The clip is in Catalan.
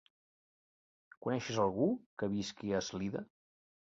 Coneixes algú que visqui a Eslida?